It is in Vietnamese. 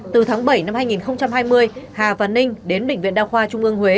từ tháng bảy năm hai nghìn hai mươi hà văn ninh đến bệnh viện đa khoa trung ương huế